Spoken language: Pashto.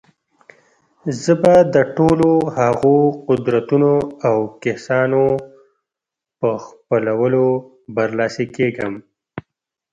زه به د ټولو هغو قدرتونو او کسانو په خپلولو برلاسي کېږم.